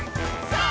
さあ！